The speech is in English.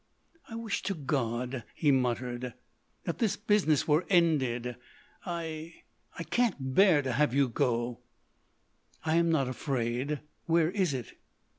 "I wish to God," he muttered, "that this business were ended. I—I can't bear to have you go." "I am not afraid.... Where is it?"